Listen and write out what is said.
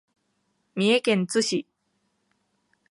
三重県津市